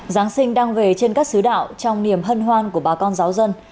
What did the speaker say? giáng sinh đang về trên các xứ đạo trong niềm hân hoan của bà con giáo dân